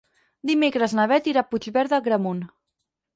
Dimecres na Beth irà a Puigverd d'Agramunt.